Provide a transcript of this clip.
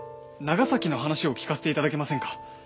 長崎の話を聞かせていただけませんか？